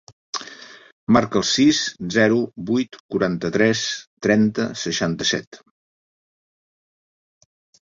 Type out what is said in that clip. Marca el sis, zero, vuit, quaranta-tres, trenta, seixanta-set.